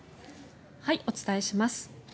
お伝えします。